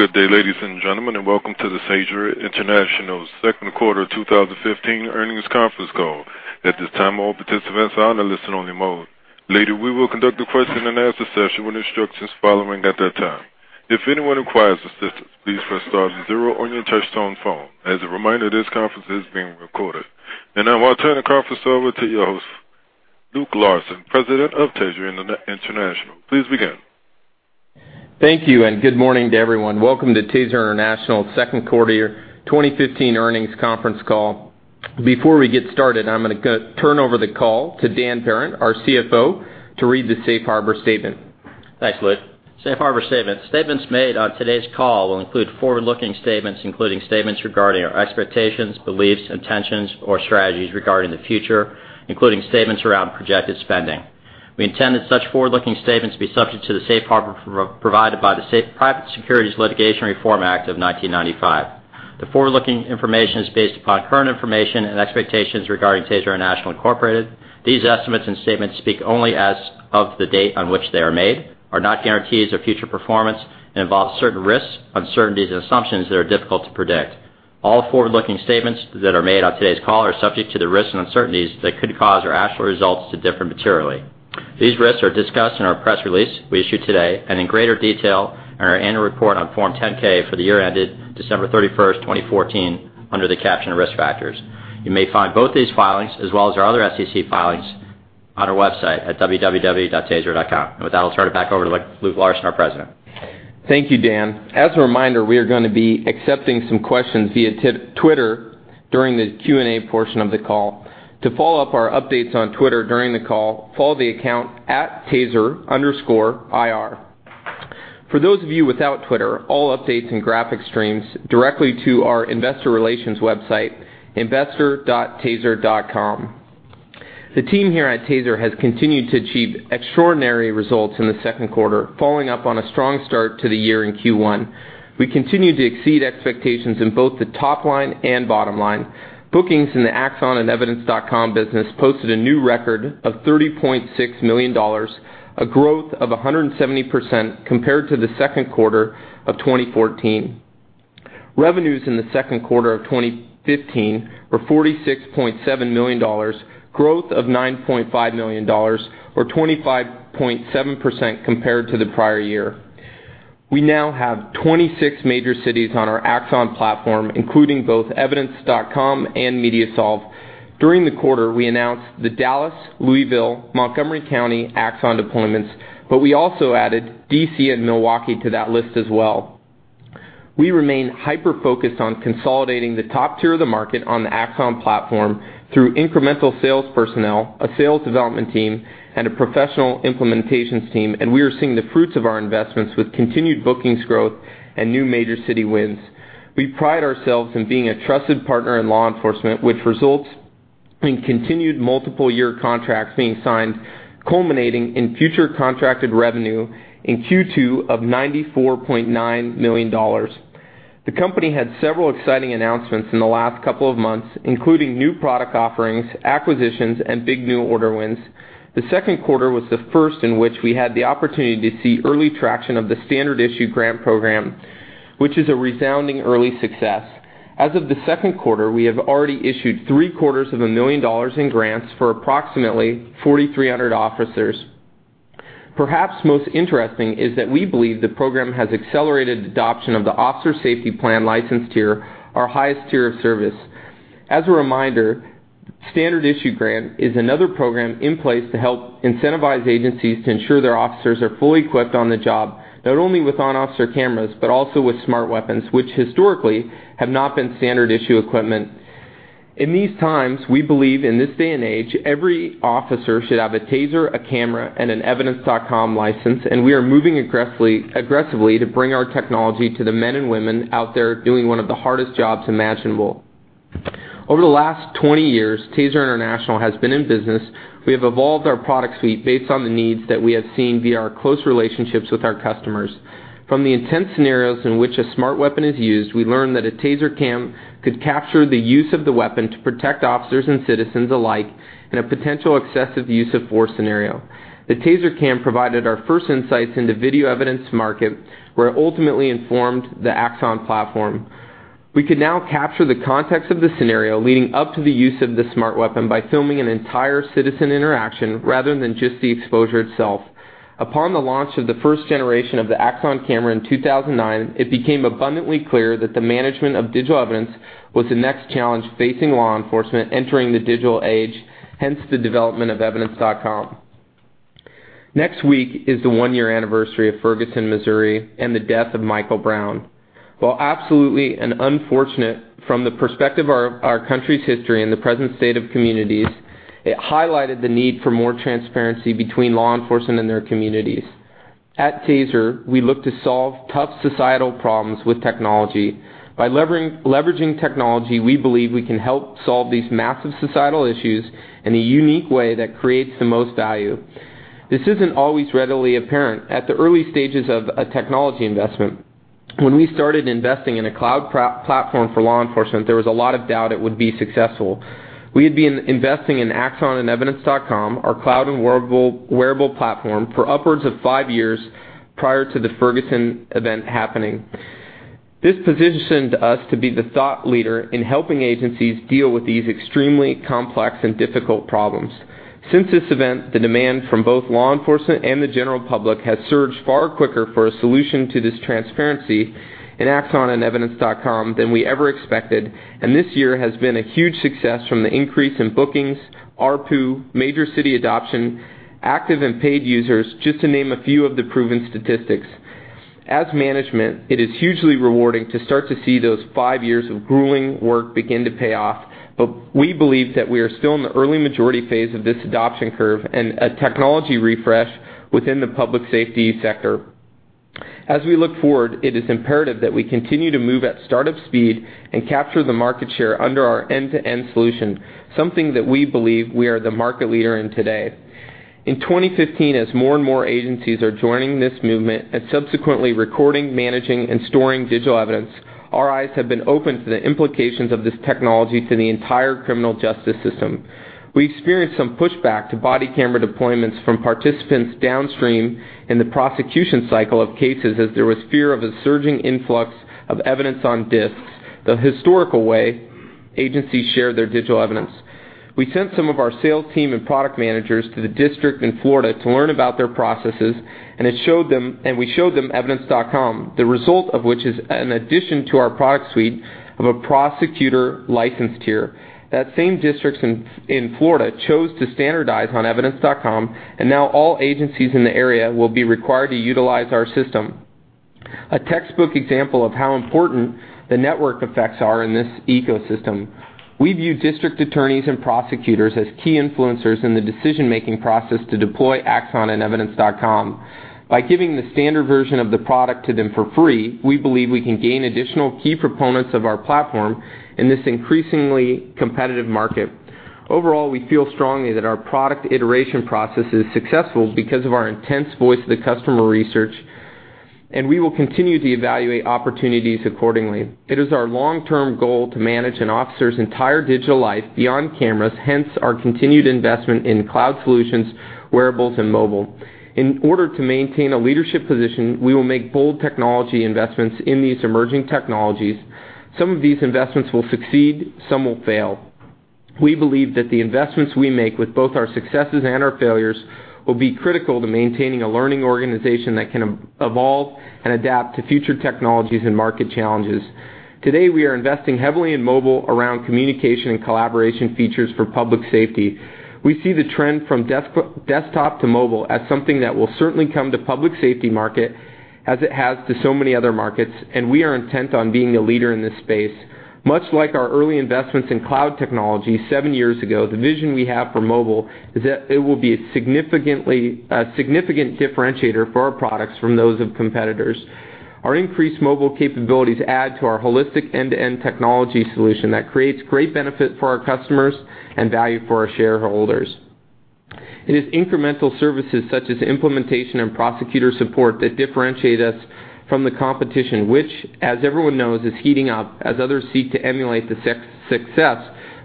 Good day, ladies and gentlemen, welcome to the TASER International second quarter 2015 earnings conference call. At this time, all participants are on a listen-only mode. Later, we will conduct a question-and-answer session with instructions following at that time. If anyone requires assistance, please press star zero on your touchtone phone. As a reminder, this conference is being recorded. Now I'll turn the conference over to your host, Luke Larson, President of TASER International. Please begin. Thank you, good morning to everyone. Welcome to TASER International second quarter 2015 earnings conference call. Before we get started, I'm going to turn over the call to Dan Behrendt, our CFO, to read the safe harbor statement. Thanks, Luke. Safe harbor statement. Statements made on today's call will include forward-looking statements, including statements regarding our expectations, beliefs, intentions, or strategies regarding the future, including statements around projected spending. We intend that such forward-looking statements be subject to the safe harbor provided by the Private Securities Litigation Reform Act of 1995. The forward-looking information is based upon current information and expectations regarding TASER International, Inc. These estimates and statements speak only as of the date on which they are made, are not guarantees of future performance, and involve certain risks, uncertainties, and assumptions that are difficult to predict. All forward-looking statements that are made on today's call are subject to the risks and uncertainties that could cause our actual results to differ materially. These risks are discussed in our press release we issued today and in greater detail in our annual report on Form 10-K for the year ended December 31st, 2014, under the caption Risk Factors. You may find both these filings as well as our other SEC filings on our website at www.taser.com. With that, I'll turn it back over to Luke Larson, our President. Thank you, Dan. As a reminder, we are going to be accepting some questions via Twitter during the Q&A portion of the call. To follow up our updates on Twitter during the call, follow the account @taser_ir. For those of you without Twitter, all updates and graphics streams directly to our investor relations website, investor.taser.com. The team here at TASER has continued to achieve extraordinary results in the second quarter, following up on a strong start to the year in Q1. We continued to exceed expectations in both the top line and bottom line. Bookings in the Axon and Evidence.com business posted a new record of $30.6 million, a growth of 170% compared to the second quarter of 2014. Revenues in the second quarter of 2015 were $46.7 million, growth of $9.5 million, or 25.7% compared to the prior year. We now have 26 major cities on our Axon platform, including both Evidence.com and MediaSolv. During the quarter, we announced the Dallas, Louisville, Montgomery County Axon deployments, but we also added D.C. and Milwaukee to that list as well. We remain hyper-focused on consolidating the top tier of the market on the Axon platform through incremental sales personnel, a sales development team, and a professional implementations team. We are seeing the fruits of our investments with continued bookings growth and new major city wins. We pride ourselves in being a trusted partner in law enforcement, which results in continued multiple year contracts being signed, culminating in future contracted revenue in Q2 of $94.9 million. The company had several exciting announcements in the last couple of months, including new product offerings, acquisitions, and big new order wins. The second quarter was the first in which we had the opportunity to see early traction of the Standard Issue Grant Program, which is a resounding early success. As of the second quarter, we have already issued three-quarters of a million dollars in grants for approximately 4,300 officers. Perhaps most interesting is that we believe the program has accelerated adoption of the Officer Safety Plan licensed tier, our highest tier of service. As a reminder, Standard Issue Grant is another program in place to help incentivize agencies to ensure their officers are fully equipped on the job, not only with on-officer cameras, but also with Smart Weapons, which historically have not been standard-issue equipment. In these times, we believe in this day and age, every officer should have a TASER, a camera, and an Evidence.com license. We are moving aggressively to bring our technology to the men and women out there doing one of the hardest jobs imaginable. Over the last 20 years TASER International has been in business, we have evolved our product suite based on the needs that we have seen via our close relationships with our customers. From the intense scenarios in which a Smart Weapon is used, we learned that a TASER CAM could capture the use of the weapon to protect officers and citizens alike in a potential excessive use of force scenario. The TASER CAM provided our first insights into video evidence market where it ultimately informed the Axon platform. We can now capture the context of the scenario leading up to the use of the Smart Weapon by filming an entire citizen interaction rather than just the exposure itself. Upon the launch of the first generation of the Axon camera in 2009, it became abundantly clear that the management of digital evidence was the next challenge facing law enforcement entering the digital age, hence the development of Evidence.com. Next week is the one-year anniversary of Ferguson, Missouri, and the death of Michael Brown. While absolutely unfortunate from the perspective of our country's history and the present state of communities, it highlighted the need for more transparency between law enforcement and their communities. At TASER, we look to solve tough societal problems with technology. By leveraging technology, we believe we can help solve these massive societal issues in a unique way that creates the most value. This isn't always readily apparent at the early stages of a technology investment. When we started investing in a cloud platform for law enforcement, there was a lot of doubt it would be successful. We had been investing in Axon and Evidence.com, our cloud and wearable platform, for upwards of five years prior to the Ferguson event happening. This positioned us to be the thought leader in helping agencies deal with these extremely complex and difficult problems. Since this event, the demand from both law enforcement and the general public has surged far quicker for a solution to this transparency in Axon and Evidence.com than we ever expected. This year has been a huge success from the increase in bookings, ARPU, major city adoption, active and paid users, just to name a few of the proven statistics. As management, it is hugely rewarding to start to see those five years of grueling work begin to pay off. We believe that we are still in the early majority phase of this adoption curve and a technology refresh within the public safety sector. As we look forward, it is imperative that we continue to move at startup speed and capture the market share under our end-to-end solution, something that we believe we are the market leader in today. In 2015, as more and more agencies are joining this movement and subsequently recording, managing, and storing digital evidence, our eyes have been opened to the implications of this technology to the entire criminal justice system. We experienced some pushback to body camera deployments from participants downstream in the prosecution cycle of cases as there was fear of a surging influx of evidence on disks, the historical way agencies share their digital evidence. We sent some of our sales team and product managers to the district in Florida to learn about their processes. We showed them Evidence.com. The result of which is an addition to our product suite of a prosecutor licensed tier. That same district in Florida chose to standardize on Evidence.com, now all agencies in the area will be required to utilize our system. A textbook example of how important the network effects are in this ecosystem. We view district attorneys and prosecutors as key influencers in the decision-making process to deploy Axon and Evidence.com. By giving the standard version of the product to them for free, we believe we can gain additional key proponents of our platform in this increasingly competitive market. Overall, we feel strongly that our product iteration process is successful because of our intense voice to the customer research, and we will continue to evaluate opportunities accordingly. It is our long-term goal to manage an officer's entire digital life beyond cameras, hence our continued investment in cloud solutions, wearables, and mobile. In order to maintain a leadership position, we will make bold technology investments in these emerging technologies. Some of these investments will succeed, some will fail. We believe that the investments we make with both our successes and our failures will be critical to maintaining a learning organization that can evolve and adapt to future technologies and market challenges. Today, we are investing heavily in mobile around communication and collaboration features for public safety. We see the trend from desktop to mobile as something that will certainly come to public safety market as it has to so many other markets, and we are intent on being a leader in this space. Much like our early investments in cloud technology seven years ago, the vision we have for mobile is that it will be a significant differentiator for our products from those of competitors. Our increased mobile capabilities add to our holistic end-to-end technology solution that creates great benefit for our customers and value for our shareholders. It is incremental services such as implementation and prosecutor support that differentiate us from the competition, which as everyone knows, is heating up as others seek to emulate the success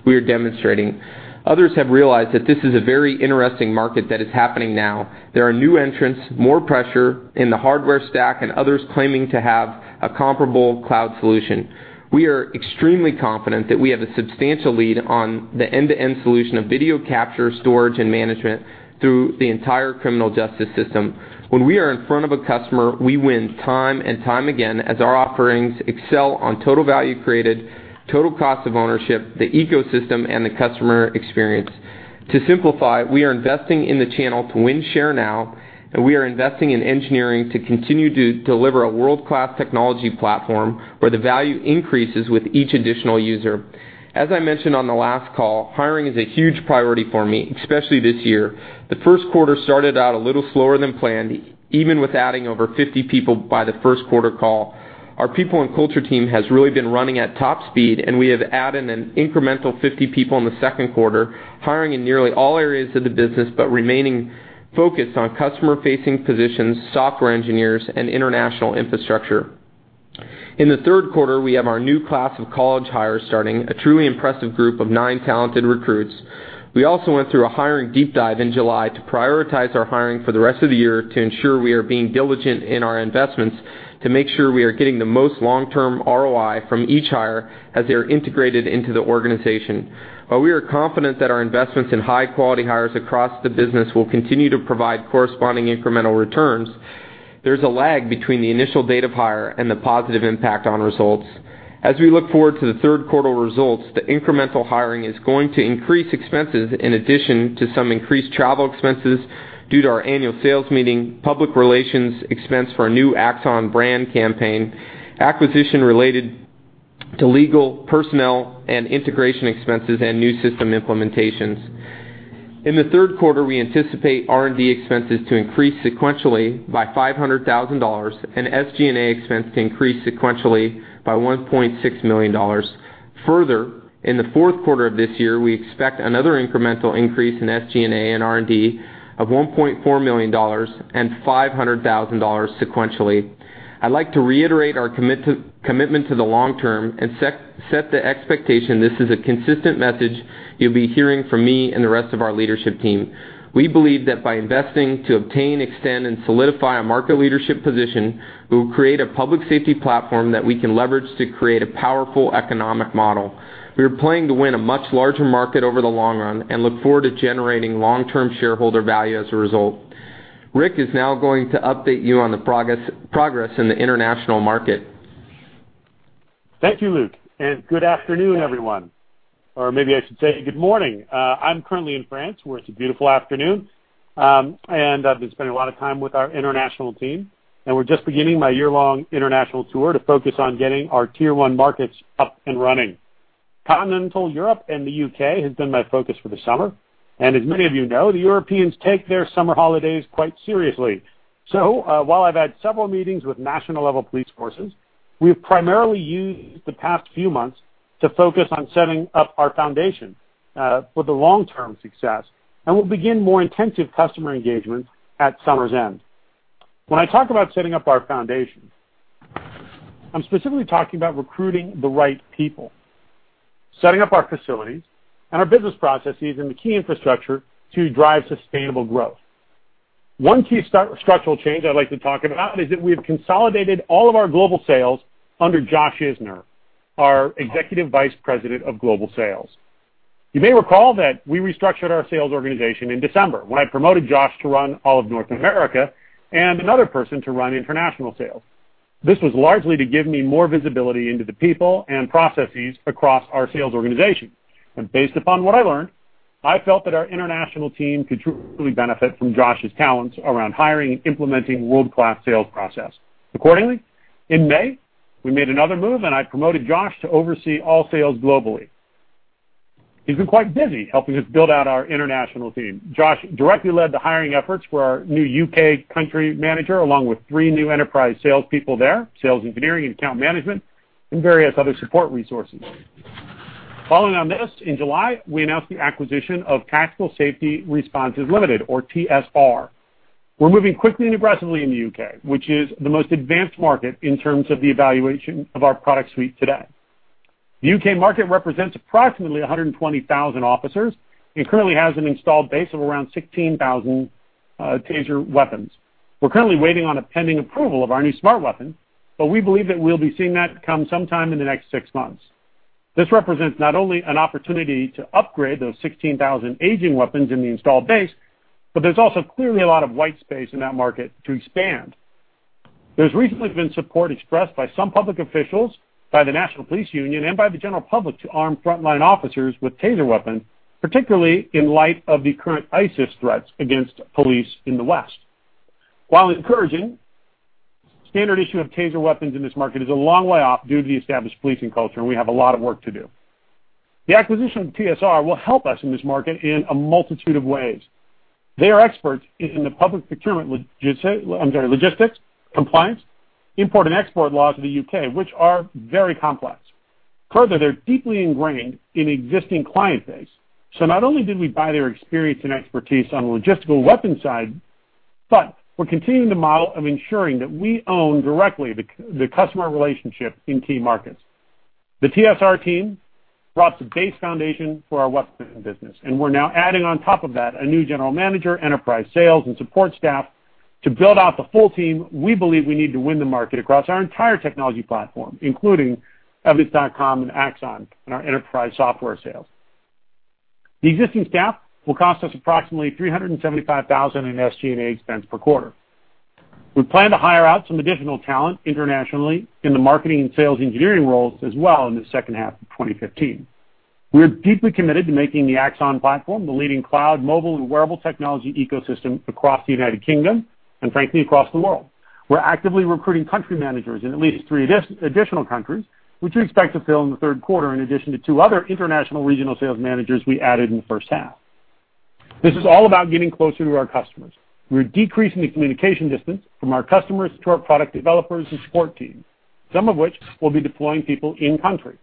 we are demonstrating. Others have realized that this is a very interesting market that is happening now. There are new entrants, more pressure in the hardware stack, and others claiming to have a comparable cloud solution. We are extremely confident that we have a substantial lead on the end-to-end solution of video capture, storage, and management through the entire criminal justice system. When we are in front of a customer, we win time and time again as our offerings excel on total value created, total cost of ownership, the ecosystem, and the customer experience. To simplify, we are investing in the channel to win share now, and we are investing in engineering to continue to deliver a world-class technology platform where the value increases with each additional user. As I mentioned on the last call, hiring is a huge priority for me, especially this year. The first quarter started out a little slower than planned, even with adding over 50 people by the first quarter call. Our people and culture team has really been running at top speed, and we have added an incremental 50 people in the second quarter, hiring in nearly all areas of the business, but remaining focused on customer-facing positions, software engineers, and international infrastructure. In the third quarter, we have our new class of college hires starting, a truly impressive group of nine talented recruits. We also went through a hiring deep dive in July to prioritize our hiring for the rest of the year to ensure we are being diligent in our investments to make sure we are getting the most long-term ROI from each hire as they are integrated into the organization. While we are confident that our investments in high-quality hires across the business will continue to provide corresponding incremental returns, there's a lag between the initial date of hire and the positive impact on results. As we look forward to the third quarter results, the incremental hiring is going to increase expenses in addition to some increased travel expenses due to our annual sales meeting, public relations expense for a new Axon brand campaign, acquisition-related legal, personnel, and integration expenses, and new system implementations. In the third quarter, we anticipate R&D expenses to increase sequentially by $500,000 and SG&A expense to increase sequentially by $1.6 million. In the fourth quarter of this year, we expect another incremental increase in SG&A and R&D of $1.4 million and $500,000 sequentially. I'd like to reiterate our commitment to the long term and set the expectation this is a consistent message you'll be hearing from me and the rest of our leadership team. We believe that by investing to obtain, extend, and solidify a market leadership position, we will create a public safety platform that we can leverage to create a powerful economic model. We are playing to win a much larger market over the long run and look forward to generating long-term shareholder value as a result. Rick is now going to update you on the progress in the international market. Thank you, Luke. Good afternoon, everyone. Or maybe I should say good morning. I'm currently in France, where it's a beautiful afternoon. I've been spending a lot of time with our international team. We're just beginning my year-long international tour to focus on getting our tier 1 markets up and running. Continental Europe and the U.K. has been my focus for the summer. As many of you know, the Europeans take their summer holidays quite seriously. While I've had several meetings with national-level police forces, we have primarily used the past few months to focus on setting up our foundation for the long-term success, and we'll begin more intensive customer engagements at summer's end. When I talk about setting up our foundation, I'm specifically talking about recruiting the right people, setting up our facilities, and our business processes, and the key infrastructure to drive sustainable growth. One key structural change I'd like to talk about is that we have consolidated all of our global sales under Josh Isner, our Executive Vice President of Global Sales. You may recall that we restructured our sales organization in December, when I promoted Josh to run all of North America and another person to run international sales. This was largely to give me more visibility into the people and processes across our sales organization. Based upon what I learned, I felt that our international team could truly benefit from Josh's talents around hiring and implementing world-class sales process. Accordingly, in May, we made another move, I promoted Josh to oversee all sales globally. He's been quite busy helping us build out our international team. Josh directly led the hiring efforts for our new U.K. country manager, along with three new enterprise salespeople there, sales engineering, account management, and various other support resources. Following on this, in July, we announced the acquisition of Tactical Safety Response Limited, or TSR. We're moving quickly and aggressively in the U.K., which is the most advanced market in terms of the evaluation of our product suite today. The U.K. market represents approximately 120,000 officers and currently has an installed base of around 16,000 TASER weapons. We're currently waiting on a pending approval of our new Smart Weapon, we believe that we'll be seeing that come sometime in the next six months. This represents not only an opportunity to upgrade those 16,000 aging weapons in the installed base, there's also clearly a lot of white space in that market to expand. There's recently been support expressed by some public officials, by the National Police Union, and by the general public to arm frontline officers with TASER weapons, particularly in light of the current ISIS threats against police in the West. While encouraging, standard issue of TASER weapons in this market is a long way off due to the established policing culture, we have a lot of work to do. The acquisition of TSR will help us in this market in a multitude of ways. They are experts in the public procurement logistics, compliance, import, and export laws of the U.K., which are very complex. Further, they're deeply ingrained in existing client base. Not only did we buy their experience and expertise on the logistical weapon side, but we're continuing the model of ensuring that we own directly the customer relationship in key markets. The TSR team brought the base foundation for our weapons business, we're now adding on top of that a new general manager, enterprise sales, and support staff to build out the full team we believe we need to win the market across our entire technology platform, including Evidence.com and Axon in our enterprise software sales. The existing staff will cost us approximately $375,000 in SG&A expense per quarter. We plan to hire out some additional talent internationally in the marketing and sales engineering roles as well in the second half of 2015. We are deeply committed to making the Axon platform the leading cloud, mobile, and wearable technology ecosystem across the United Kingdom and, frankly, across the world. We're actively recruiting country managers in at least three additional countries, which we expect to fill in the third quarter, in addition to two other international regional sales managers we added in the first half. This is all about getting closer to our customers. We're decreasing the communication distance from our customers to our product developers and support teams, some of which will be deploying people in country.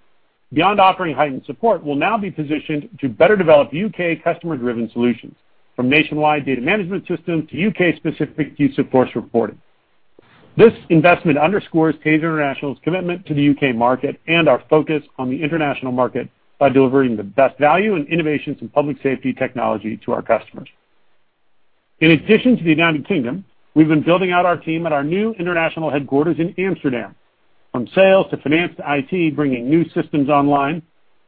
Beyond offering heightened support, we'll now be positioned to better develop U.K. customer-driven solutions, from nationwide data management systems to U.K.-specific use of force reporting. This investment underscores TASER International's commitment to the U.K. market and our focus on the international market by delivering the best value in innovations in public safety technology to our customers. In addition to the U.K., we've been building out our team at our new international headquarters in Amsterdam. From sales to finance to IT, bringing new systems online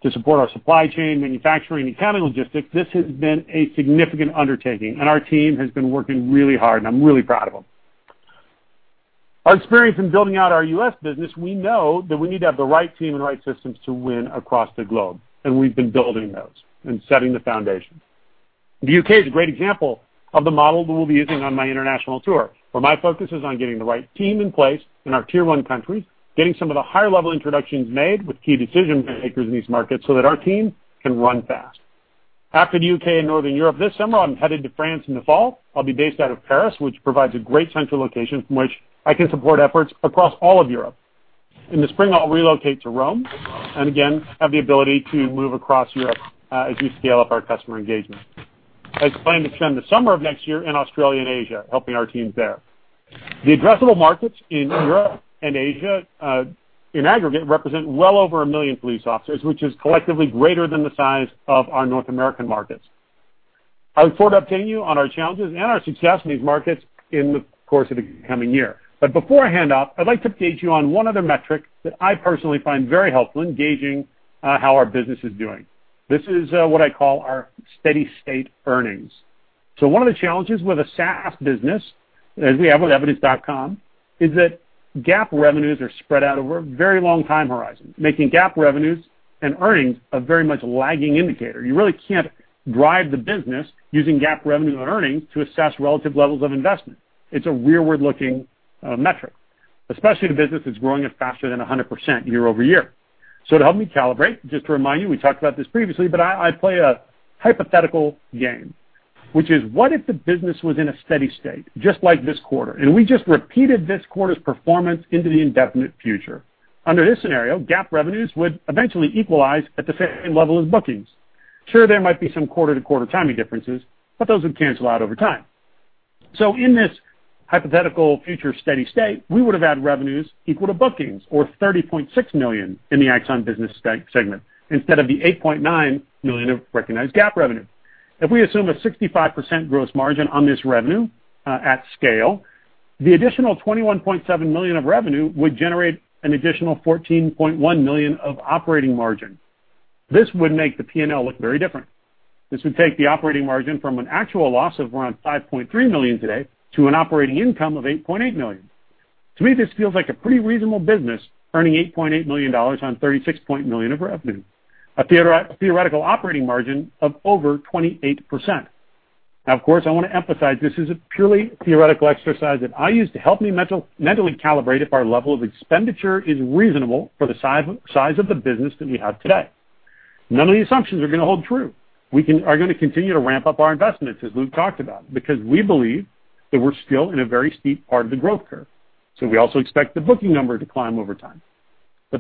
to support our supply chain, manufacturing, and accounting logistics. This has been a significant undertaking, and our team has been working really hard, and I'm really proud of them. Our experience in building out our U.S. business, we know that we need to have the right team and right systems to win across the globe, and we've been building those and setting the foundation. The U.K. is a great example of the model that we'll be using on my international tour, where my focus is on getting the right team in place in our tier 1 countries, getting some of the higher-level introductions made with key decision-makers in these markets so that our team can run fast. After the U.K. and Northern Europe this summer, I'm headed to France in the fall. I'll be based out of Paris, which provides a great central location from which I can support efforts across all of Europe. In the spring, I'll relocate to Rome and again, have the ability to move across Europe, as we scale up our customer engagement. I plan to spend the summer of next year in Australia and Asia helping our teams there. The addressable markets in Europe and Asia, in aggregate, represent well over 1 million police officers, which is collectively greater than the size of our North American markets. I look forward to updating you on our challenges and our success in these markets in the course of the coming year. Before I hand off, I'd like to update you on one other metric that I personally find very helpful in gauging how our business is doing. This is what I call our steady-state earnings. One of the challenges with a SaaS business, as we have with Evidence.com, is that GAAP revenues are spread out over a very long time horizon, making GAAP revenues and earnings a very much lagging indicator. You really can't drive the business using GAAP revenue and earnings to assess relative levels of investment. It's a rearward-looking metric, especially in a business that's growing at faster than 100% year-over-year. To help me calibrate, just to remind you, we talked about this previously, I play a hypothetical game, which is, what if the business was in a steady state, just like this quarter, and we just repeated this quarter's performance into the indefinite future? Under this scenario, GAAP revenues would eventually equalize at the same level as bookings. Sure, there might be some quarter-to-quarter timing differences, but those would cancel out over time. In this hypothetical future steady state, we would have had revenues equal to bookings, or $30.6 million in the Axon business segment, instead of the $8.9 million of recognized GAAP revenue. If we assume a 65% gross margin on this revenue at scale, the additional $21.7 million of revenue would generate an additional $14.1 million of operating margin. This would make the P&L look very different. This would take the operating margin from an actual loss of around $5.3 million today to an operating income of $8.8 million. To me, this feels like a pretty reasonable business earning $8.8 million on $36.9 million of revenue. A theoretical operating margin of over 28%. Of course, I want to emphasize this is a purely theoretical exercise that I use to help me mentally calibrate if our level of expenditure is reasonable for the size of the business that we have today. None of the assumptions are going to hold true. We are going to continue to ramp up our investments, as Luke talked about, because we believe that we're still in a very steep part of the growth curve. We also expect the booking number to climb over time.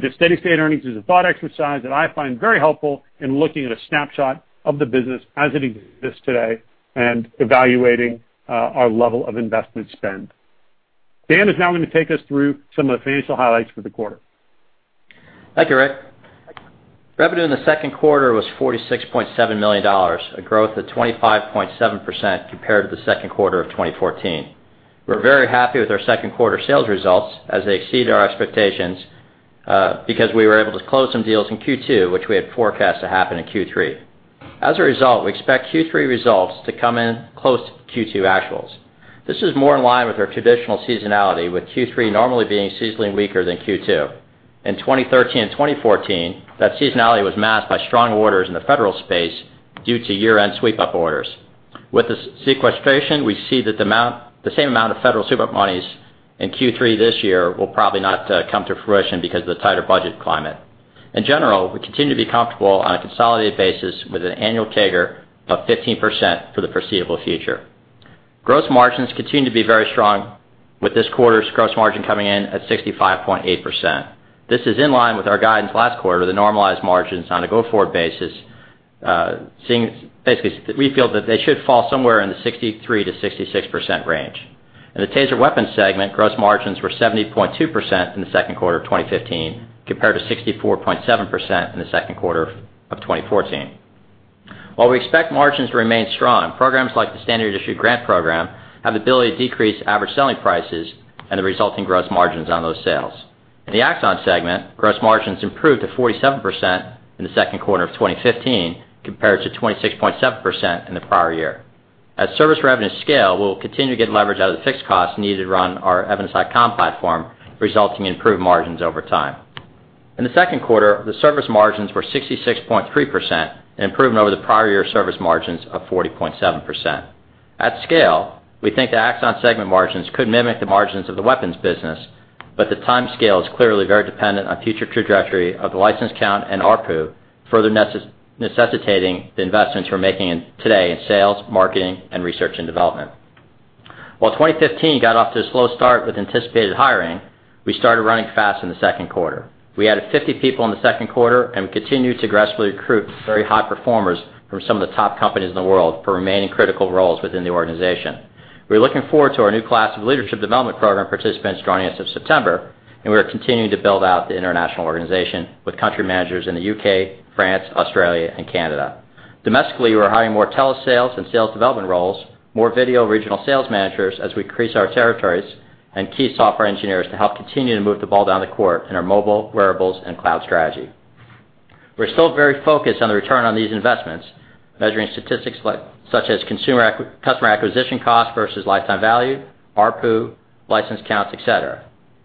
The steady-state earnings is a thought exercise that I find very helpful in looking at a snapshot of the business as it exists today and evaluating our level of investment spend. Dan is now going to take us through some of the financial highlights for the quarter. Thank you, Rick. Revenue in the second quarter was $46.7 million, a growth of 25.7% compared to the second quarter of 2014. We're very happy with our second quarter sales results as they exceeded our expectations because we were able to close some deals in Q2, which we had forecast to happen in Q3. As a result, we expect Q3 results to come in close to Q2 actuals. This is more in line with our traditional seasonality, with Q3 normally being seasonally weaker than Q2. In 2013 and 2014, that seasonality was masked by strong orders in the federal space due to year-end sweep-up orders. With the sequestration, we see that the same amount of federal sweep-up monies in Q3 this year will probably not come to fruition because of the tighter budget climate. In general, we continue to be comfortable on a consolidated basis with an annual CAGR of 15% for the foreseeable future. Gross margins continue to be very strong, with this quarter's gross margin coming in at 65.8%. This is in line with our guidance last quarter, the normalized margins on a go-forward basis. Basically, we feel that they should fall somewhere in the 63%-66% range. In the TASER weapons segment, gross margins were 70.2% in the second quarter of 2015, compared to 64.7% in the second quarter of 2014. While we expect margins to remain strong, programs like the Standard Issue Grant Program have the ability to decrease average selling prices and the resulting gross margins on those sales. In the Axon segment, gross margins improved to 47% in the second quarter of 2015, compared to 26.7% in the prior year. As service revenues scale, we'll continue to get leverage out of the fixed costs needed to run our Evidence.com platform, resulting in improved margins over time. In the second quarter, the service margins were 66.3%, improving over the prior year service margins of 40.7%. At scale, we think the Axon segment margins could mimic the margins of the weapons business, but the timescale is clearly very dependent on future trajectory of the license count and ARPU, further necessitating the investments we're making today in sales, marketing, and research and development. While 2015 got off to a slow start with anticipated hiring, we started running fast in the second quarter. We added 50 people in the second quarter and continued to aggressively recruit very high performers from some of the top companies in the world for remaining critical roles within the organization. We're looking forward to our new class of leadership development program participants joining us in September. We are continuing to build out the international organization with country managers in the U.K., France, Australia, and Canada. Domestically, we're hiring more telesales and sales development roles, more video regional sales managers as we increase our territories, and key software engineers to help continue to move the ball down the court in our mobile, wearables, and cloud strategy. We're still very focused on the return on these investments, measuring statistics such as customer acquisition cost versus lifetime value, ARPU, license counts, et cetera.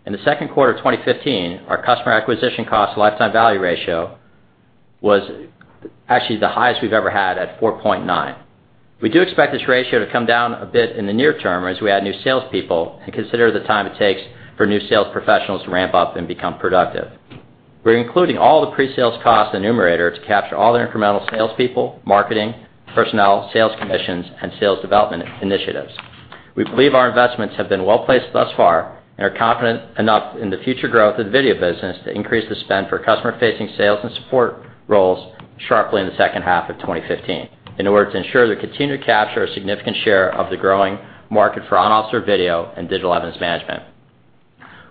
In the second quarter of 2015, our customer acquisition cost lifetime value ratio was actually the highest we've ever had at 4.9. We do expect this ratio to come down a bit in the near term as we add new salespeople and consider the time it takes for new sales professionals to ramp up and become productive. We're including all the pre-sales costs in the numerator to capture all the incremental salespeople, marketing, personnel, sales commissions, and sales development initiatives. We believe our investments have been well-placed thus far and are confident enough in the future growth of the video business to increase the spend for customer-facing sales and support roles sharply in the second half of 2015 in order to ensure that we continue to capture a significant share of the growing market for on-officer video and digital evidence management.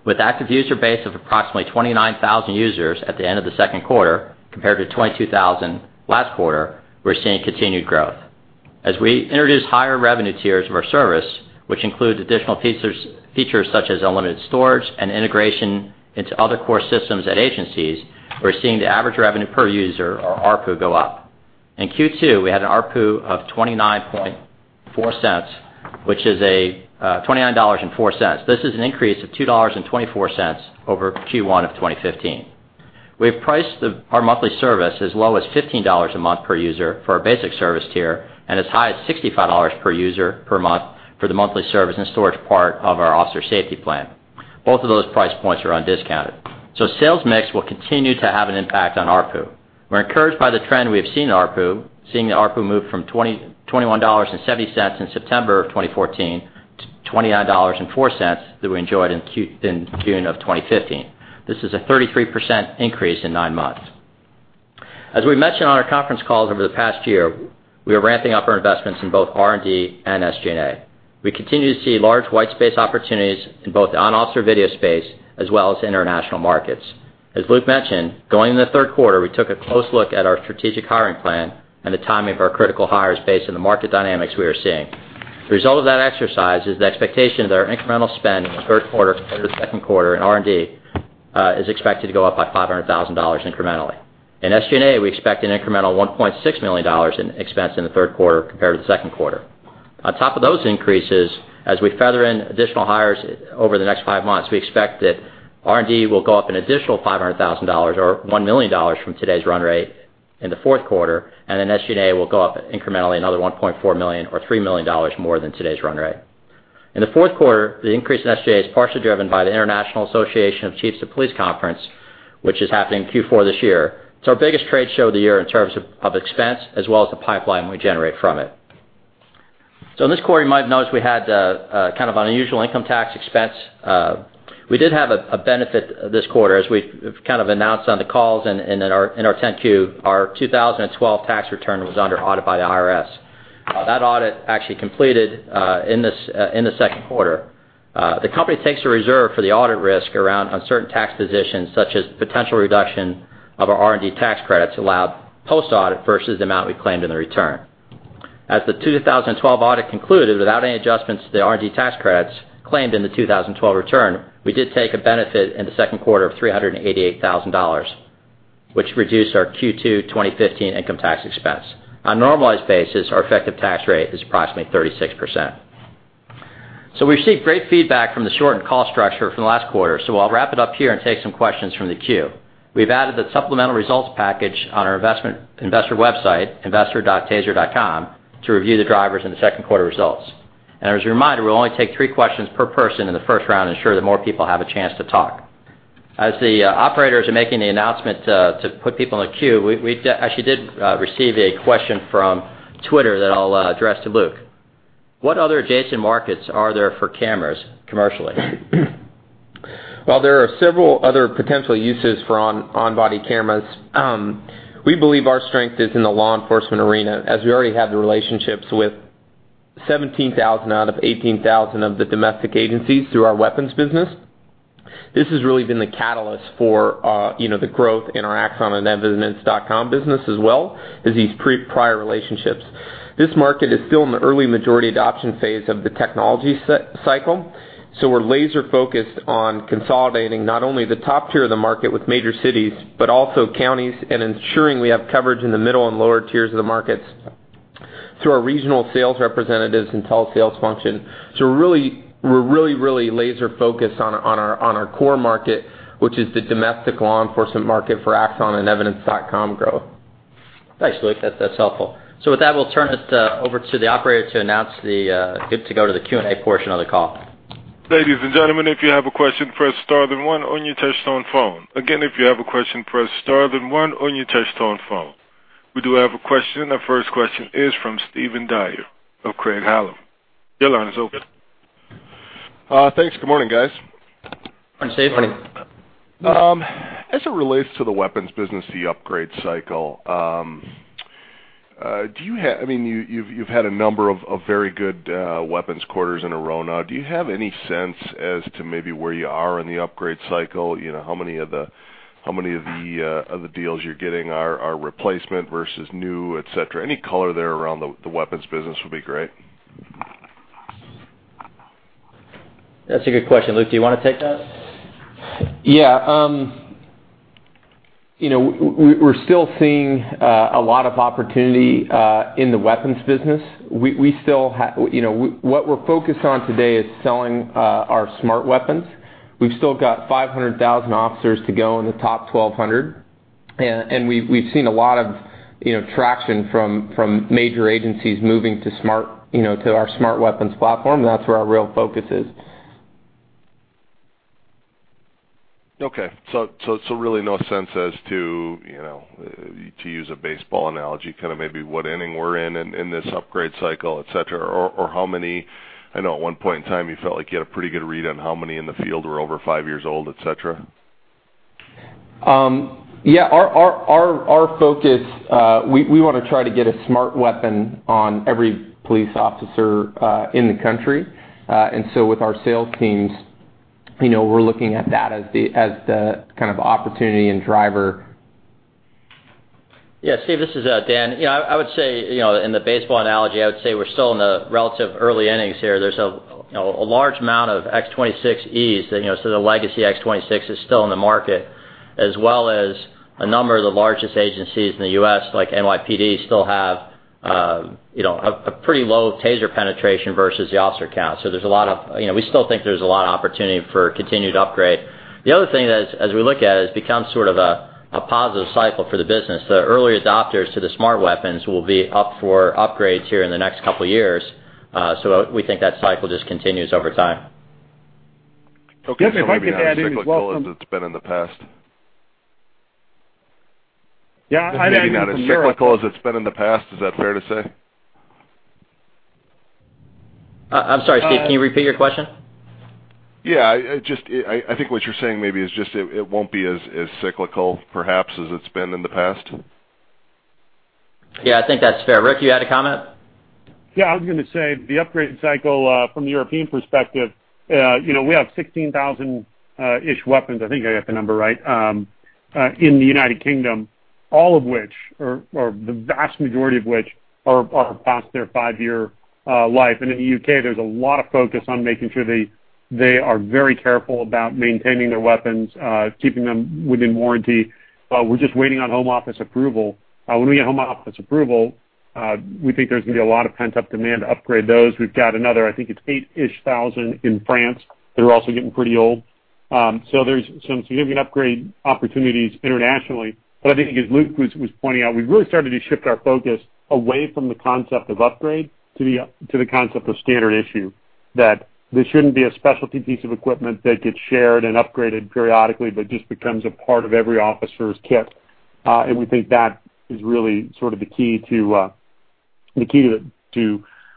With active user base of approximately 29,000 users at the end of the second quarter, compared to 22,000 last quarter, we're seeing continued growth. As we introduce higher revenue tiers of our service, which includes additional features such as unlimited storage and integration into other core systems at agencies. We're seeing the average revenue per user, or ARPU, go up. In Q2, we had an ARPU of $29.04. This is an increase of $2.24 over Q1 of 2015. We have priced our monthly service as low as $15 a month per user for our basic service tier, and as high as $65 per user per month for the monthly service and storage part of our Officer Safety Plan. Both of those price points are on discount. Sales mix will continue to have an impact on ARPU. We're encouraged by the trend we have seen in ARPU, seeing the ARPU move from $21.70 in September of 2014 to $29.04 that we enjoyed in June of 2015. This is a 33% increase in nine months. As we mentioned on our conference calls over the past year, we are ramping up our investments in both R&D and SG&A. We continue to see large white space opportunities in both the on-officer video space, as well as international markets. As Luke mentioned, going into the third quarter, we took a close look at our strategic hiring plan and the timing of our critical hires based on the market dynamics we are seeing. The result of that exercise is the expectation that our incremental spend in the third quarter compared to the second quarter in R&D is expected to go up by $500,000 incrementally. In SG&A, we expect an incremental $1.6 million in expense in the third quarter compared to the second quarter. On top of those increases, as we feather in additional hires over the next five months, we expect that R&D will go up an additional $500,000 or $1 million from today's run rate in the fourth quarter. SG&A will go up incrementally another $1.4 million or $3 million more than today's run rate. In the fourth quarter, the increase in SG&A is partially driven by the International Association of Chiefs of Police Conference, which is happening in Q4 this year. It's our biggest trade show of the year in terms of expense, as well as the pipeline we generate from it. In this quarter, you might have noticed we had kind of an unusual income tax expense. We did have a benefit this quarter, as we've kind of announced on the calls and in our 10-Q, our 2012 tax return was under audit by the IRS. That audit actually completed in the second quarter. The company takes a reserve for the audit risk around uncertain tax positions, such as potential reduction of our R&D tax credits allowed post-audit versus the amount we claimed in the return. As the 2012 audit concluded without any adjustments to the R&D tax credits claimed in the 2012 return, we did take a benefit in the second quarter of $388,000, which reduced our Q2 2015 income tax expense. On a normalized basis, our effective tax rate is approximately 36%. We've received great feedback from the shortened call structure from the last quarter. I'll wrap it up here and take some questions from the queue. We've added the supplemental results package on our investor website, investor.taser.com, to review the drivers in the second quarter results. As a reminder, we'll only take three questions per person in the first round to ensure that more people have a chance to talk. As the operators are making the announcement to put people in the queue, we actually did receive a question from Twitter that I'll address to Luke. What other adjacent markets are there for cameras commercially? There are several other potential uses for on-body cameras. We believe our strength is in the law enforcement arena, as we already have the relationships with 17,000 out of 18,000 of the domestic agencies through our weapons business. This has really been the catalyst for the growth in our Axon and Evidence.com business as well as these prior relationships. This market is still in the early majority adoption phase of the technology cycle. We're laser-focused on consolidating not only the top tier of the market with major cities, but also counties, and ensuring we have coverage in the middle and lower tiers of the markets through our regional sales representatives and telesales function. We're really laser-focused on our core market, which is the domestic law enforcement market for Axon and Evidence.com growth. Thanks, Luke. That's helpful. With that, we'll turn it over to the operator to announce the Good to go to the Q&A portion of the call. Ladies and gentlemen, if you have a question, press star, then one on your touchtone phone. Again, if you have a question, press star, then one on your touchtone phone. We do have a question. The first question is from Steve Dyer of Craig-Hallum. Your line is open. Thanks. Good morning, guys. Morning, Steven. Morning. As it relates to the weapons business, the upgrade cycle, you've had a number of very good weapons quarters in a row now. Do you have any sense as to maybe where you are in the upgrade cycle? How many of the deals you're getting are replacement versus new, et cetera? Any color there around the weapons business would be great. That's a good question. Luke, do you want to take that? Yeah. We're still seeing a lot of opportunity in the weapons business. What we're focused on today is selling our Smart Weapons. We've still got 500,000 officers to go in the top 1,200. We've seen a lot of traction from major agencies moving to our Smart Weapons platform. That's where our real focus is. Okay. Really no sense as to use a baseball analogy, kind of maybe what inning we're in this upgrade cycle, et cetera? How many I know at one point in time you felt like you had a pretty good read on how many in the field were over five years old, et cetera. Yeah. Our focus, we want to try to get a Smart Weapon on every police officer in the country. With our sales teams, we're looking at that as the kind of opportunity and driver Yeah, Steve, this is Dan. In the baseball analogy, I would say we're still in the relative early innings here. There's a large amount of X26Es, so the legacy X26 is still in the market, as well as a number of the largest agencies in the U.S., like NYPD, still have a pretty low TASER penetration versus the officer count. We still think there's a lot of opportunity for continued upgrade. The other thing, as we look at, it has become sort of a positive cycle for the business. The early adopters to the Smart Weapons will be up for upgrades here in the next couple of years, so we think that cycle just continues over time. Steve, if I could add in as well. Maybe not as cyclical as it's been in the past. Yeah, I'd add- Maybe not as cyclical as it's been in the past. Is that fair to say? I'm sorry, Steven, can you repeat your question? Yeah. I think what you're saying, maybe, is just it won't be as cyclical, perhaps, as it's been in the past. Yeah, I think that's fair. Rick, you had a comment? Yeah, I was going to say, the upgrade cycle from the European perspective, we have 16,000-ish weapons, I think I got the number right, in the United Kingdom, all of which, or the vast majority of which, are past their five-year life. In the U.K., there's a lot of focus on making sure they are very careful about maintaining their weapons, keeping them within warranty. We're just waiting on Home Office approval. When we get Home Office approval, we think there's going to be a lot of pent-up demand to upgrade those. We've got another, I think it's 8,000-ish in France that are also getting pretty old. There's some significant upgrade opportunities internationally. I think, as Luke was pointing out, we've really started to shift our focus away from the concept of upgrade to the concept of Standard Issue, that this shouldn't be a specialty piece of equipment that gets shared and upgraded periodically, but just becomes a part of every officer's kit. We think that is really sort of the key to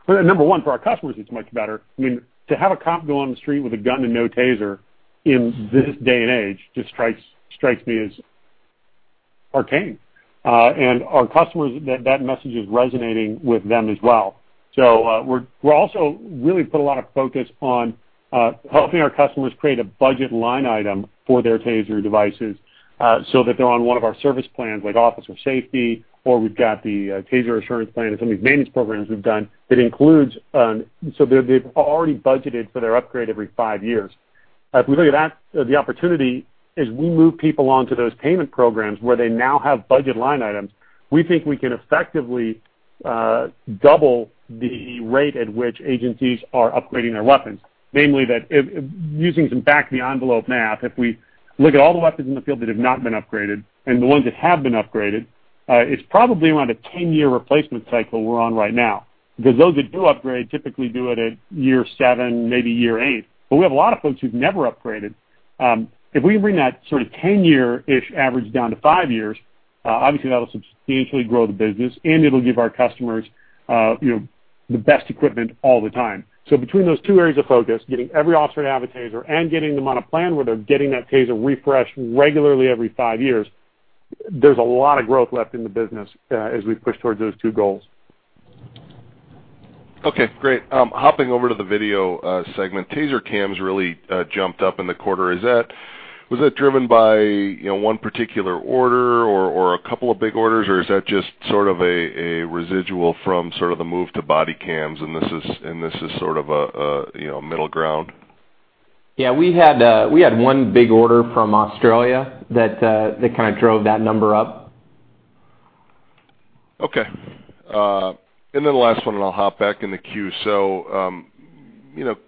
Well, number one, for our customers, it's much better. To have a cop go on the street with a gun and no TASER in this day and age just strikes me as arcane. Our customers, that message is resonating with them as well. We're also really put a lot of focus on helping our customers create a budget line item for their TASER devices, so that they're on one of our service plans, like Officer Safety, or we've got the TASER Assurance Plan and some of these managed programs we've done, so they've already budgeted for their upgrade every five years. If we look at that, the opportunity, as we move people onto those payment programs where they now have budget line items, we think we can effectively double the rate at which agencies are upgrading their weapons. Namely that, using some back-of-the-envelope math, if we look at all the weapons in the field that have not been upgraded and the ones that have been upgraded, it's probably around a 10-year replacement cycle we're on right now. Because those that do upgrade typically do it at year seven, maybe year eight. We have a lot of folks who've never upgraded. If we can bring that sort of 10-year-ish average down to five years, obviously that'll substantially grow the business, and it'll give our customers the best equipment all the time. Between those two areas of focus, getting every officer to have a TASER and getting them on a plan where they're getting that TASER refreshed regularly every five years, there's a lot of growth left in the business as we push towards those two goals. Okay, great. Hopping over to the video segment, TASER CAMs really jumped up in the quarter. Was that driven by one particular order or a couple of big orders, or is that just sort of a residual from sort of the move to body cams, and this is sort of a middle ground? We had one big order from Australia that kind of drove that number up. Okay. The last one, I'll hop back in the queue.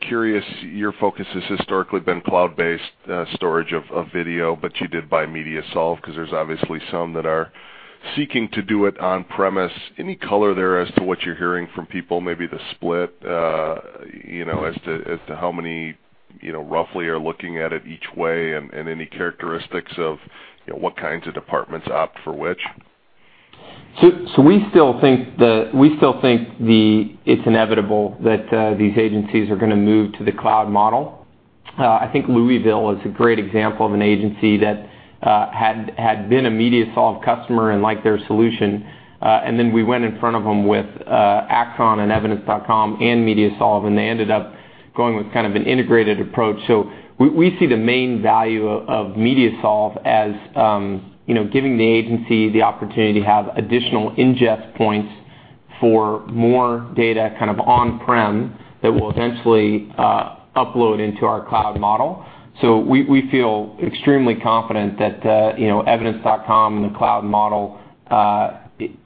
Curious, your focus has historically been cloud-based storage of video, but you did buy MediaSolv because there's obviously some that are seeking to do it on premise. Any color there as to what you're hearing from people? Maybe the split, as to how many roughly are looking at it each way, and any characteristics of what kinds of departments opt for which? We still think it's inevitable that these agencies are going to move to the cloud model. I think Louisville is a great example of an agency that had been a MediaSolv customer and liked their solution, and then we went in front of them with Axon and Evidence.com and MediaSolv, and they ended up going with kind of an integrated approach. We see the main value of MediaSolv as giving the agency the opportunity to have additional ingest points for more data kind of on-prem that will eventually upload into our cloud model. We feel extremely confident that Evidence.com and the cloud model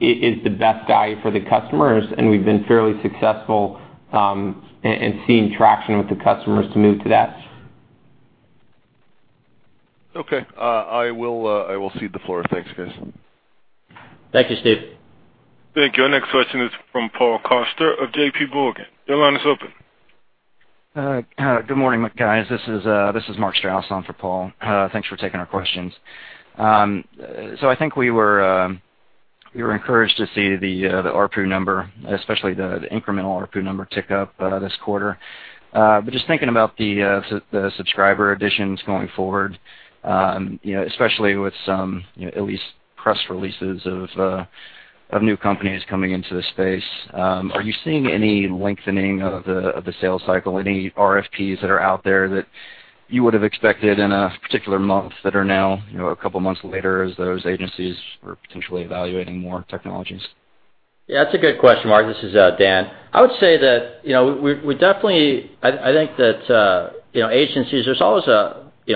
is the best value for the customers, and we've been fairly successful in seeing traction with the customers to move to that. Okay. I will cede the floor. Thanks, guys. Thank you, Steve. Thank you. Our next question is from Paul Coster of JPMorgan. Your line is open. Good morning, guys. This is Mark Strouse on for Paul. Thanks for taking our questions. I think we were encouraged to see the ARPU number, especially the incremental ARPU number, tick up this quarter. Just thinking about the subscriber additions going forward, especially with some, at least press releases of new companies coming into the space. Are you seeing any lengthening of the sales cycle? Any RFPs that are out there that you would have expected in a particular month that are now a couple of months later as those agencies are potentially evaluating more technologies? That's a good question, Mark. This is Dan. I would say that I think that agencies, there's always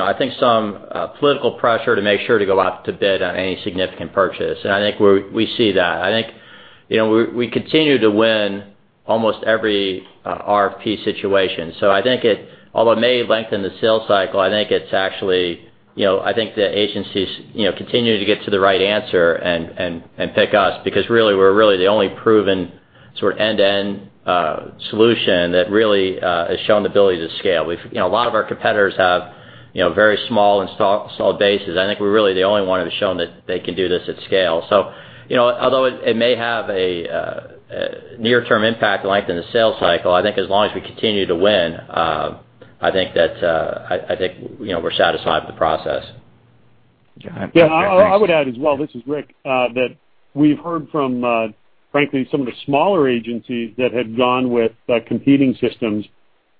I think some political pressure to make sure to go out to bid on any significant purchase. I think we see that. I think we continue to win almost every RFP situation. I think although it may lengthen the sales cycle, I think the agencies continue to get to the right answer and pick us because we're really the only proven end-to-end solution that really has shown the ability to scale. A lot of our competitors have very small installed bases. I think we're really the only one who's shown that they can do this at scale. Although it may have a near-term impact to lengthen the sales cycle, I think as long as we continue to win, I think we're satisfied with the process. Got it. Thanks. Yeah. I would add as well, this is Rick, that we've heard from, frankly, some of the smaller agencies that had gone with competing systems.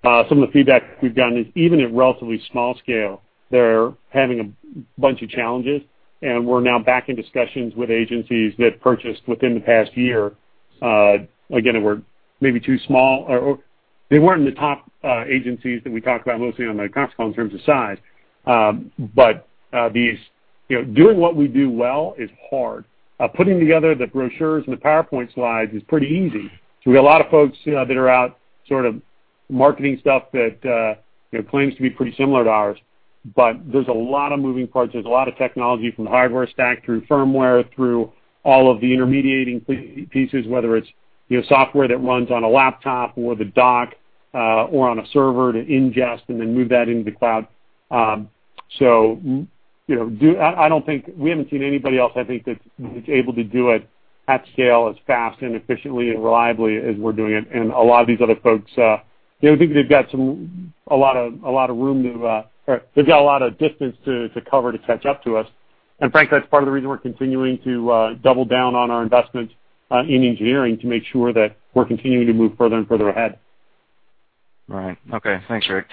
Some of the feedback we've gotten is even at relatively small scale, they're having a bunch of challenges, and we're now back in discussions with agencies that purchased within the past year. Again, that were maybe too small, or they weren't in the top agencies that we talked about mostly on the conference call in terms of size. Doing what we do well is hard. Putting together the brochures and the PowerPoint slides is pretty easy. We got a lot of folks that are out sort of marketing stuff that claims to be pretty similar to ours. There's a lot of moving parts. There's a lot of technology from the hardware stack through firmware, through all of the intermediating pieces, whether it's software that runs on a laptop or the dock or on a server to ingest and then move that into the cloud. We haven't seen anybody else, I think, that's able to do it at scale as fast and efficiently and reliably as we're doing it. A lot of these other folks, I think they've got a lot of distance to cover to catch up to us. Frankly, that's part of the reason we're continuing to double down on our investments in engineering to make sure that we're continuing to move further and further ahead. Right. Okay. Thanks, Rick.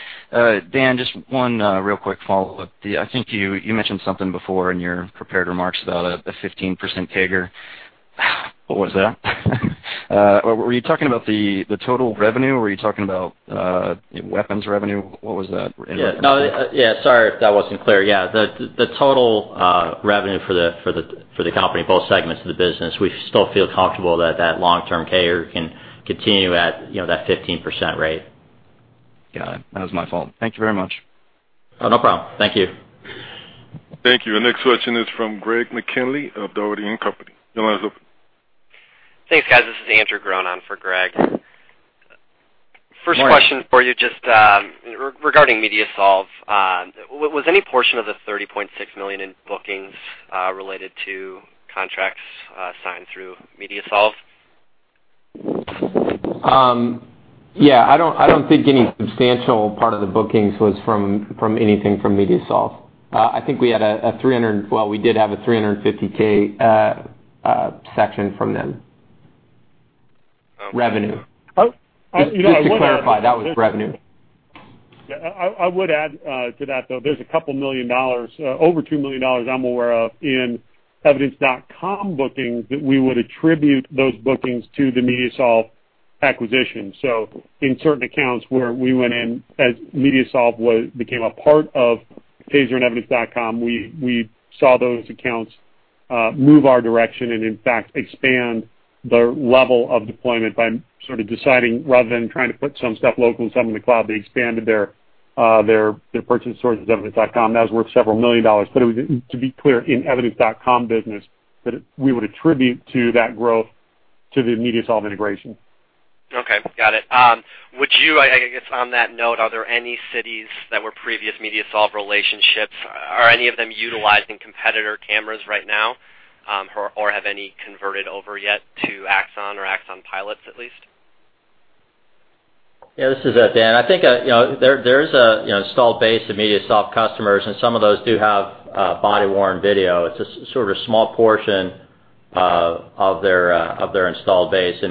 Dan, just one real quick follow-up. I think you mentioned something before in your prepared remarks about a 15% CAGR. What was that? Were you talking about the total revenue or were you talking about weapons revenue? What was that in reference to? Yeah. Sorry if that wasn't clear. Yeah, the total revenue for the company, both segments of the business, we still feel comfortable that long-term CAGR can continue at that 15% rate. Got it. That was my fault. Thank you very much. Oh, no problem. Thank you. Thank you. Our next question is from Greg McKinley of Dougherty & Company. Your line is open. Thanks, guys. This is Andrew Sherman for Greg. Morning. First question for you, just regarding MediaSolv. Was any portion of the $30.6 million in bookings related to contracts signed through MediaSolv? Yeah. I don't think any substantial part of the bookings was from anything from MediaSolv. Well, we did have a $350,000 section from them. Revenue. Oh. Just to clarify, that was revenue. Yeah. I would add to that, though. There's a couple million dollars, over $2 million I'm aware of, in Evidence.com bookings that we would attribute those bookings to the MediaSolv acquisition. In certain accounts where we went in as MediaSolv became a part of TASER and Evidence.com, we saw those accounts move our direction and in fact expand the level of deployment by sort of deciding, rather than trying to put some stuff local and some in the cloud, they expanded their purchase sources, Evidence.com. That was worth several million dollars. To be clear, in Evidence.com business, that we would attribute to that growth to the MediaSolv integration. Okay. Got it. Would you, I guess, on that note, are there any cities that were previous MediaSolv relationships? Are any of them utilizing competitor cameras right now? Or have any converted over yet to Axon or Axon pilots at least? Yeah, this is Dan. I think there is an installed base of MediaSolv customers, and some of those do have body-worn video. It's a sort of small portion of their installed base.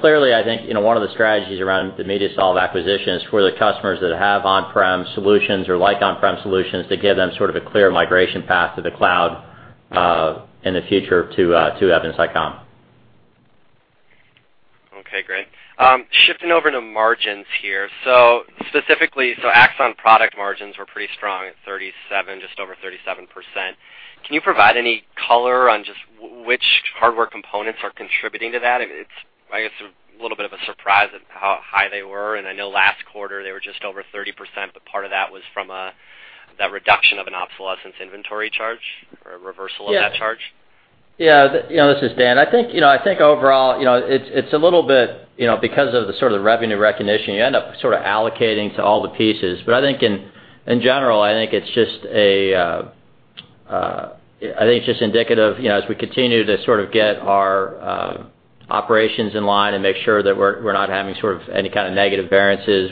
Clearly, I think one of the strategies around the MediaSolv acquisition is for the customers that have on-prem solutions or like on-prem solutions to give them sort of a clear migration path to the cloud, in the future, to Evidence.com. Okay, great. Shifting over to margins here. Specifically, Axon product margins were pretty strong at 37, just over 37%. Can you provide any color on just which hardware components are contributing to that? It's, I guess, a little bit of a surprise at how high they were, and I know last quarter they were just over 30%, but part of that was from that reduction of an obsolescence inventory charge or a reversal of that charge. Yeah. This is Dan. I think overall it's a little bit because of the sort of revenue recognition, you end up sort of allocating to all the pieces. I think in general, I think it's just indicative as we continue to sort of get our Operations in line and make sure that we're not having any kind of negative variances.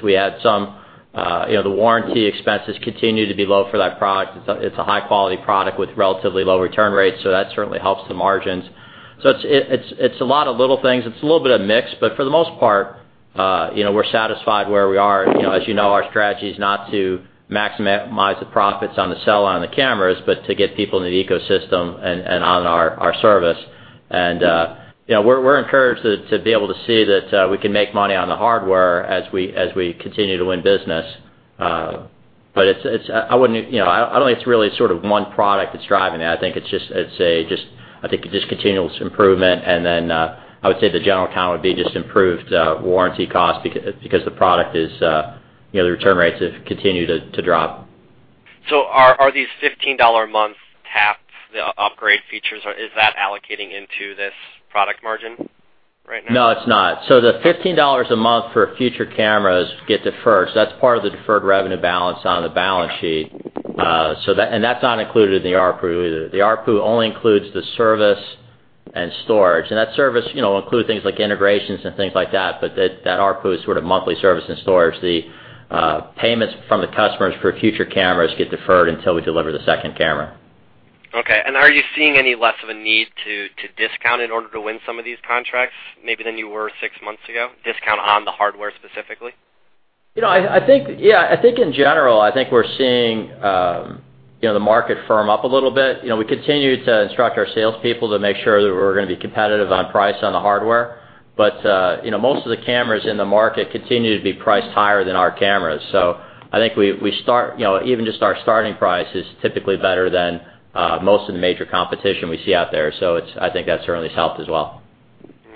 The warranty expenses continue to be low for that product. It's a high-quality product with relatively low return rates, so that certainly helps the margins. It's a lot of little things. It's a little bit of mix, but for the most part, we're satisfied where we are. As you know, our strategy is not to maximize the profits on the sell on the cameras, but to get people into the ecosystem and on our service. We're encouraged to be able to see that we can make money on the hardware as we continue to win business. I don't think it's really sort of one product that's driving that. I think it's just continuous improvement and then, I would say the general count would be just improved warranty cost because the product return rates have continued to drop. Are these $15 a month TAPs, the upgrade features, is that allocating into this product margin right now? No, it's not. The $15 a month for future cameras get deferred. That's part of the deferred revenue balance on the balance sheet. That's not included in the ARPU either. The ARPU only includes the service and storage. That service includes things like integrations and things like that, but that ARPU is sort of monthly service and storage. The payments from the customers for future cameras get deferred until we deliver the second camera. Okay. Are you seeing any less of a need to discount in order to win some of these contracts maybe than you were six months ago? Discount on the hardware specifically? I think in general, I think we're seeing the market firm up a little bit. We continue to instruct our salespeople to make sure that we're going to be competitive on price on the hardware. Most of the cameras in the market continue to be priced higher than our cameras. I think even just our starting price is typically better than most of the major competition we see out there. I think that's certainly helped as well.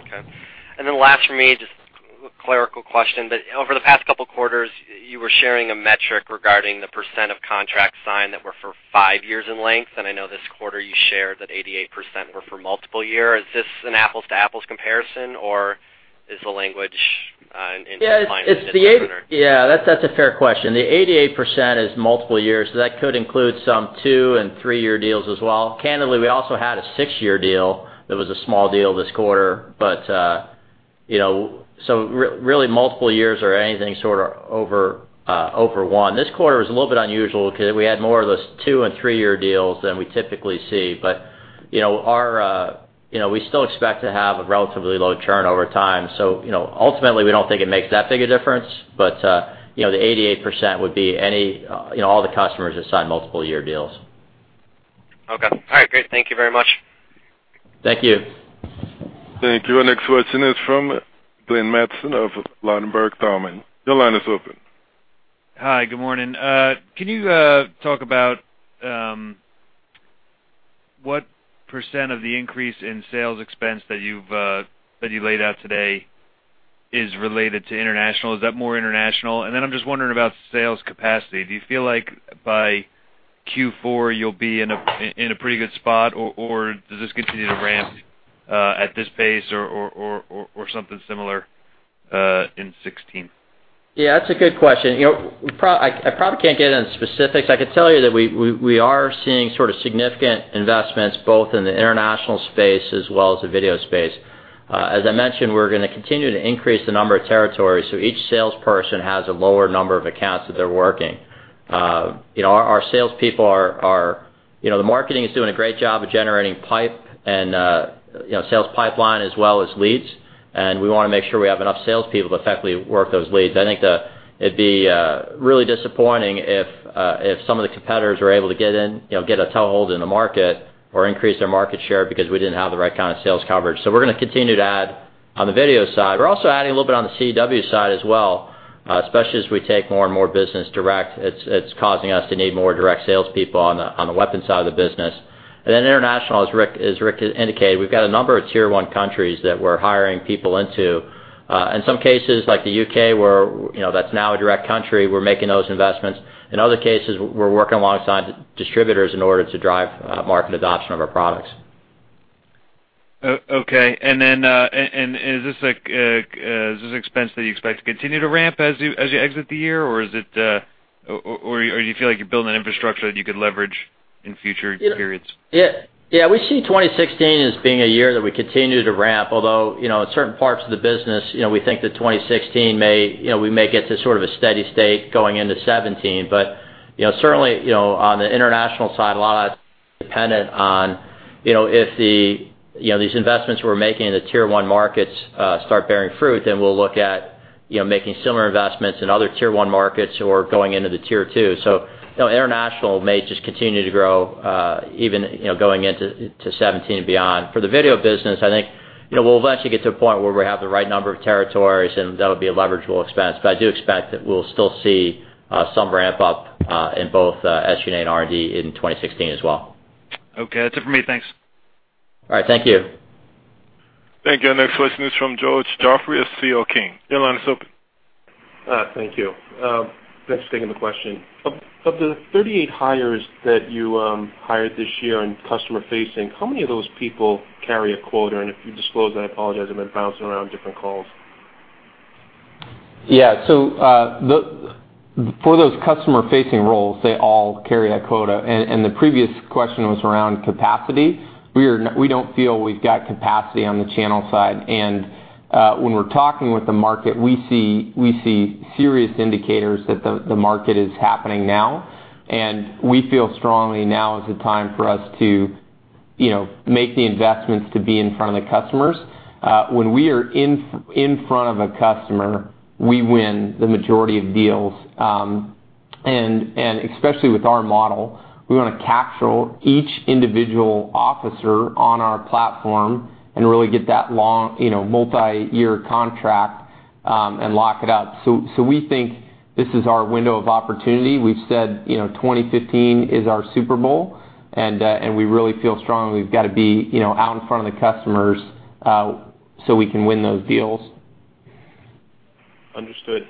Okay. Last from me, just a clerical question. Over the past couple of quarters, you were sharing a metric regarding the percent of contracts signed that were for five years in length, and I know this quarter you shared that 88% were for multiple year. Is this an apples-to-apples comparison, or is the language in decline? That's a fair question. The 88% is multiple years, that could include some two- and three-year deals as well. Candidly, we also had a six-year deal that was a small deal this quarter. Really multiple years or anything sort of over one. This quarter was a little bit unusual because we had more of those two- and three-year deals than we typically see. We still expect to have a relatively low churn over time. Ultimately we don't think it makes that big a difference. The 88% would be all the customers that sign multiple year deals. Okay. All right, great. Thank you very much. Thank you. Thank you. Our next question is from Glenn Mattson of Ladenburg Thalmann. Your line is open. Hi, good morning. Can you talk about what % of the increase in sales expense that you laid out today is related to international? Is that more international? I'm just wondering about sales capacity. Do you feel like by Q4 you'll be in a pretty good spot, or does this continue to ramp at this pace or something similar in 2016? That's a good question. I probably can't get into specifics. I could tell you that we are seeing sort of significant investments both in the international space as well as the video space. As I mentioned, we're going to continue to increase the number of territories so each salesperson has a lower number of accounts that they're working. The marketing is doing a great job of generating sales pipeline as well as leads, and we want to make sure we have enough salespeople to effectively work those leads. I think it'd be really disappointing if some of the competitors were able to get a toehold in the market or increase their market share because we didn't have the right kind of sales coverage. We're going to continue to add on the video side. We're also adding a little bit on the CEW side as well, especially as we take more and more business direct. It's causing us to need more direct salespeople on the weapons side of the business. International, as Rick indicated, we've got a number of Tier 1 countries that we're hiring people into. In some cases like the U.K., that's now a direct country, we're making those investments. In other cases, we're working alongside distributors in order to drive market adoption of our products. Okay. Is this an expense that you expect to continue to ramp as you exit the year, or do you feel like you're building an infrastructure that you could leverage in future periods? Yeah, we see 2016 as being a year that we continue to ramp, although, in certain parts of the business, we think that 2016 we may get to sort of a steady state going into 2017. Certainly, on the international side, a lot of that's dependent on if these investments we're making in the Tier 1 markets start bearing fruit, then we'll look at making similar investments in other Tier 1 markets who are going into the Tier 2. International may just continue to grow even going into 2017 and beyond. For the video business, I think we'll eventually get to a point where we have the right number of territories and that'll be a leverageable expense. But I do expect that we'll still see some ramp-up in both SG&A and R&D in 2016 as well. Okay, that's it for me. Thanks. All right. Thank you. Thank you. Our next question is from George Godfrey of C.L. King. Your line is open. Thank you. Thanks for taking the question. Of the 38 hires that you hired this year in customer-facing, how many of those people carry a quota? If you disclosed, I apologize, I've been bouncing around different calls. Yeah. For those customer-facing roles, they all carry a quota. The previous question was around capacity. We don't feel we've got capacity on the channel side. When we're talking with the market, we see serious indicators that the market is happening now, we feel strongly now is the time for us to make the investments to be in front of the customers. When we are in front of a customer, we win the majority of deals. Especially with our model, we want to capture each individual officer on our platform and really get that long multi-year contract and lock it up. We think this is our window of opportunity. We've said 2015 is our Super Bowl, we really feel strongly we've got to be out in front of the customers so we can win those deals. Understood.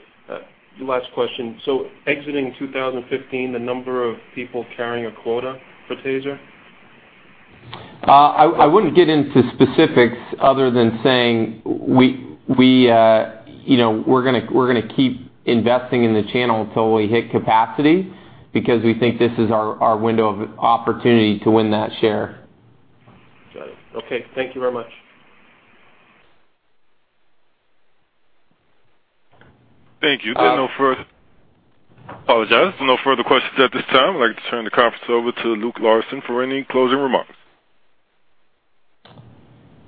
Last question. Exiting 2015, the number of people carrying a quota for TASER? I wouldn't get into specifics other than saying we're going to keep investing in the channel until we hit capacity because we think this is our window of opportunity to win that share. Got it. Okay. Thank you very much. Thank you. I apologize. No further questions at this time. I'd like to turn the conference over to Luke Larson for any closing remarks.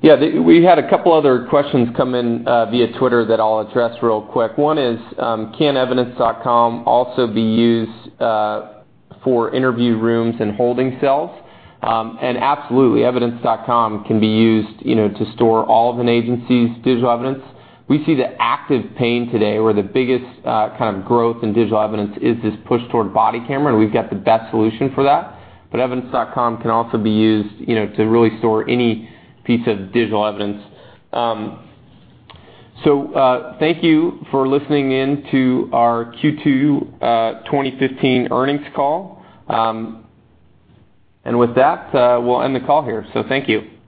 Yeah, we had a couple other questions come in via Twitter that I'll address real quick. One is can Evidence.com also be used for interview rooms and holding cells? Absolutely, Evidence.com can be used to store all of an agency's digital evidence. We see the active pain today where the biggest kind of growth in digital evidence is this push toward body camera, and we've got the best solution for that. Evidence.com can also be used to really store any piece of digital evidence. Thank you for listening in to our Q2 2015 earnings call. With that we'll end the call here. Thank you.